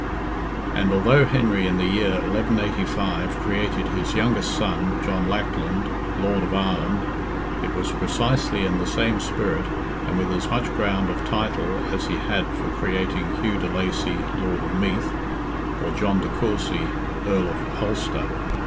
And although Henry in the year 1185 created his youngest son, John Lackland, "lord of Ireland," it was precisely in the same spirit and with as much ground of title as he had for creating Hugh de Lacy, Lord of Meath, or John de Courcy, Earl of Ulster.